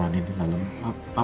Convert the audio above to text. mama masih ditangani di dalam